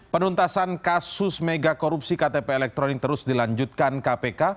penuntasan kasus mega korupsi ktp elektronik terus dilanjutkan kpk